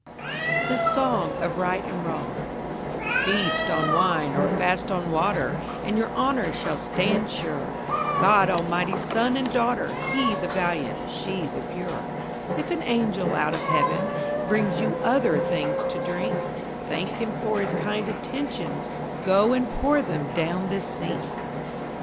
The Song of Right and Wrong Feast on wine or fast on water, And your honour shall stand sure, God Almighty's son and daughter He the valiant, she the pure; If an angel out of heaven Brings you other things to drink, Thank him for his kind attentions, Go and pour them down the sink.